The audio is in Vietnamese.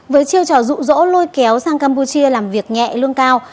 với chiêu trò rụ rỗ lôi kéo sang campuchia làm việc nhẹ lương cao